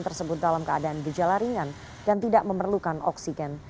tersebut dalam keadaan gejala ringan dan tidak memerlukan oksigen